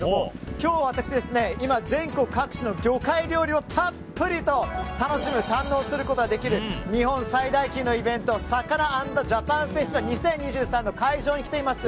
今日は私、全国各地の魚介料理をたっぷりと堪能することができる日本最大級のイベント「ＳＡＫＡＮＡ＆ＪＡＰＡＮＦＥＳＴＩＶＡＬ２０２３」の会場に来ています。